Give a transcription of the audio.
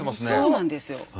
そうなんですよ。